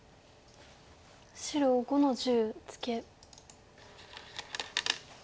白５の十ツケ。